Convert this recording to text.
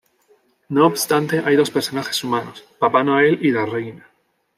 No obstante, hay dos personajes humanos: Papá Noel y la Reina.